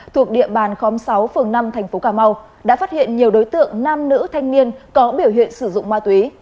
thuộc địa bàn khóm sáu phường năm thành phố cà mau đã phát hiện nhiều đối tượng nam nữ thanh niên có biểu hiện sử dụng ma túy